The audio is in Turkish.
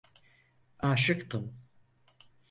Aşıktım…